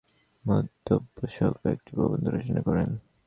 তিনি 'Chiang Chiensheng সম্বন্ধে মন্তব্য'সহ কয়েকটি প্রবন্ধ রচনা করেন।